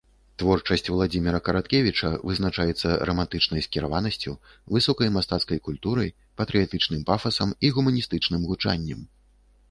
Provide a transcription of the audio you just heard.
Творчасць Уладзіміра Караткевіча вызначаецца рамантычнай скіраванасцю, высокай мастацкай культурай, патрыятычным пафасам і гуманістычным гучаннем.